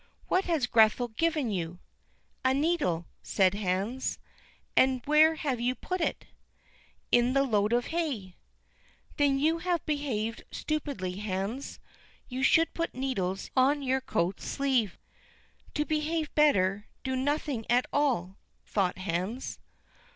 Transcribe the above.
"What has Grethel given you?" "A needle," said Hans. "And where have you put it?" "In the load of hay." "Then you have behaved stupidly, Hans; you should put needles on your coat sleeve." "To behave better, do nothing at all," thought Hans.